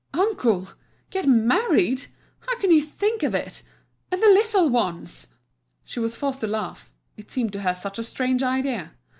uncle—get married! How can you think of it? And the little ones!" She was forced to laugh, it seemed to her such a strange idea.